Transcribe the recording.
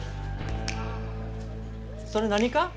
それ何か？